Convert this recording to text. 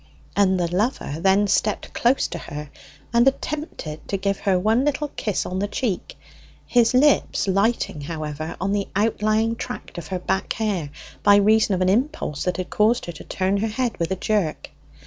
And the lover then stepped close to her, and attempted to give her one little kiss on the cheek, his lips alighting, however, on an outlying tract of her back hair by reason of an impulse that had caused her to turn her head with a jerk.